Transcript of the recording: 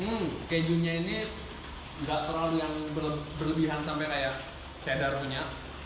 hmm kejunya ini nggak terlalu yang berlebihan sampai kayak darunya